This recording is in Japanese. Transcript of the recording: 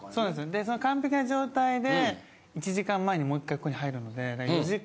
でその完璧な状態で１時間前にもう１回ここに入るので４時間。